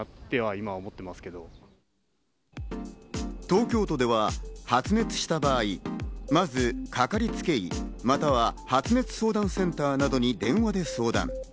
東京都では発熱した場合、まずかかりつけ医、または発熱相談センターなどに電話で相談。